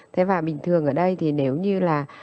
thế và bình thường ở đây thì nếu như là